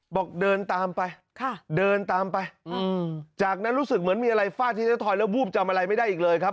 บอกเดินตามไปเดินตามไปจากนั้นรู้สึกเหมือนมีอะไรฟาดที่ไทยทอยแล้ววูบจำอะไรไม่ได้อีกเลยครับ